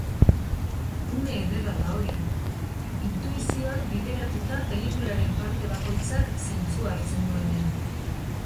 Une ederra da hori, intuizioak bideratuta pelikularen parte bakoitzak zentzua hartzen duenean.